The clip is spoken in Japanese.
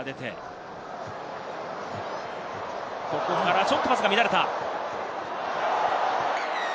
ここからちょっとパスが乱れた。